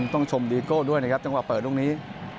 ต้องชมดีโก้ด้วยนะครับจังหวะเปิดลูกนี้